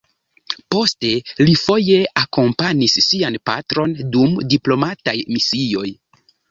Poste li foje akompanis sian patron dum diplomataj misioj.